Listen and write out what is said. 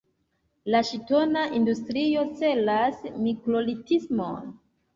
La ŝtona industrio celas mikrolitismon.